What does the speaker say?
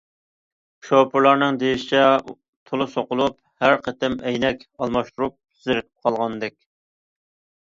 شوپۇرلارنىڭ دېيىشىچە تولا سوقۇلۇپ ھەر قېتىم ئەينەك ئالماشتۇرۇپ زېرىكىپ قالغانكەن.